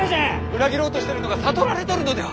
裏切ろうとしてるのが悟られとるのでは？